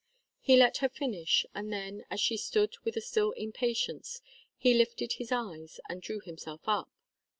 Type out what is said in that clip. He let her finish, and then, as she stood with a still impatience, he lifted his eyes and drew himself up.